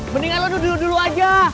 mendingan lu duduk dulu aja